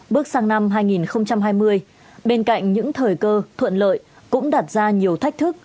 bước sang năm hai nghìn hai mươi bên cạnh những thời cơ thuận lợi cũng đặt ra nhiều thách thức